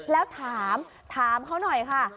แล้วถามถามเขาหน่อยค่ะ